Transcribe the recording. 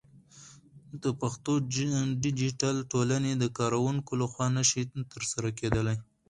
د پښتو ديجيتل ټولنې د کارکوونکو لخوا نشي ترسره کېدلى